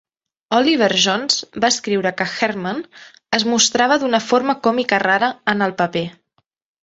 Oliver Jones va escriure que Herrmann es mostrava d'una "forma còmica rara" en el paper.